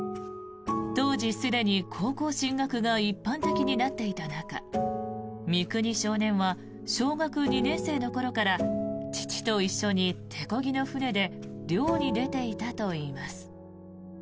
当時すでに高校進学が一般的になっていた中三國少年は小学２年生の頃から父と一緒に手こぎの船で漁に出ていたといいます。